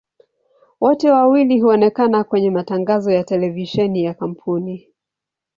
Wote wawili huonekana kwenye matangazo ya televisheni ya kampuni.